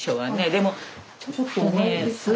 でもちょっとねすぐ。